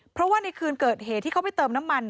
เพราะว่าในคืนเกิดเหตุที่เขาไปเติมน้ำมัน